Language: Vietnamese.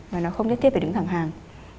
và nó không nhất tiết phải đứng thẳng hàng